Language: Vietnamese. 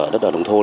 đất ở đồng thôn